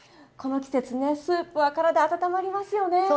この季節ねスープは体温まりますよね。